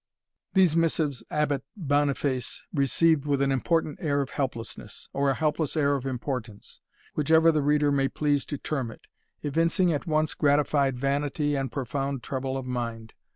These missives Abbot Boniface received with an important air of helplessness, or a helpless air of importance, whichever the reader may please to term it, evincing at once gratified vanity, and profound trouble of mind.